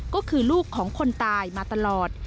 ก็คือลูกของคนตายมาตลอด